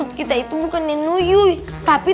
bete itu bukan iyu tapi